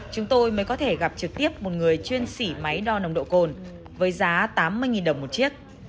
chúng tôi mới có thể gặp trực tiếp một người chuyên sĩ máy đo nồng độ cồn với giá tám mươi đồng một chiếc